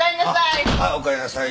あっはいおかえりなさい。